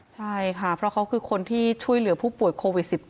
ใช่ค่ะเพราะเขาคือคนที่ช่วยเหลือผู้ป่วยโควิด๑๙